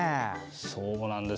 そうなんです。